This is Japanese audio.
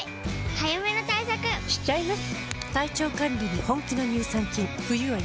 早めの対策しちゃいます。